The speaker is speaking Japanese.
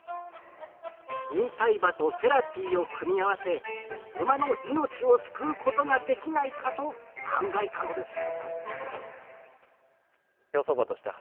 引退馬とセラピーを組み合わせ、馬の命を救うことができないかと考えたのです。